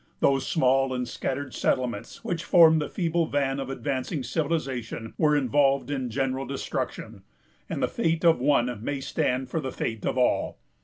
Those small and scattered settlements which formed the feeble van of advancing civilization were involved in general destruction, and the fate of one may stand for the fate of all.